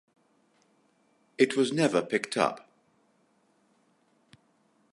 It was never picked up.